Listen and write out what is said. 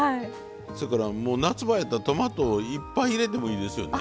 そやからもう夏場やったらトマトいっぱい入れてもいいですよね。